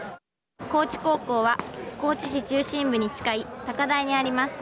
高知高校は、高知市中心部に近い高台にあります。